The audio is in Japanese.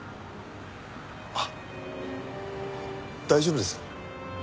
あっ大丈夫です？